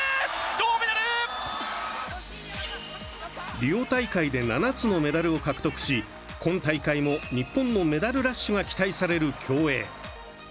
リオ大会で７つのメダルを獲得し今大会も日本のメダルラッシュが期待される競泳。